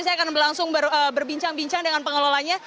saya akan langsung berbincang bincang dengan pengelolanya